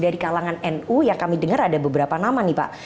dari kalangan nu yang kami dengar ada beberapa nama nih pak